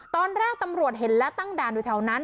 ตอนแรกตำรวจเห็นแล้วตั้งด่านอยู่แถวนั้น